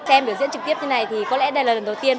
xem biểu diễn trực tiếp như này thì có lẽ đây là lần đầu tiên